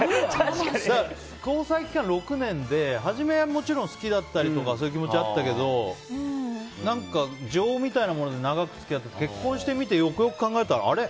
交際期間６年で初めはもちろん好きだったりとかそういう気持ちあったけど情みたいなもので長く付き合ってて結婚してみて、よくよく考えたらあれ？